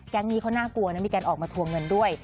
นี้เขาน่ากลัวนะมีการออกมาทวงเงินด้วย